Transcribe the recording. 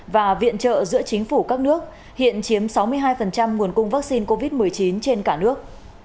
và viện trợ giữa chính phủ các nước hiện chiếm sáu mươi hai nguồn cung vaccine covid một mươi chín trên cả nước